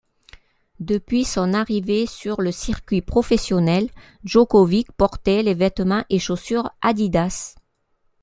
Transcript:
Depuis son arrivée sur le circuit professionnel, Djokovic portait les vêtements et chaussures Adidas.